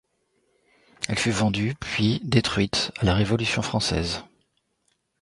Elle fut vendue puis détruite à la Révolution française.